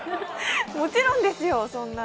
もちろんですよ、そんな。